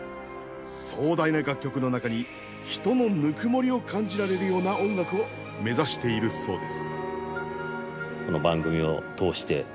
壮大な楽曲の中に人のぬくもりを感じられるような音楽を目指しているそうです。